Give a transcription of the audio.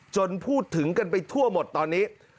พูดถึงกันไปทั่วหมดตอนนี้